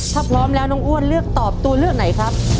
ถ้าพร้อมแล้วน้องอ้วนเลือกตอบตัวเลือกไหนครับ